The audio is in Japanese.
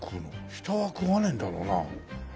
下は食わねえんだろうな。